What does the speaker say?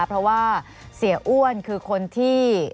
เพราะว่าเสียอ้วนคือคนที่